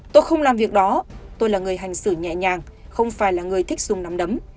tôi không làm việc đó tôi là người hành xử nhẹ nhàng không phải là người thích dùng nắm đấm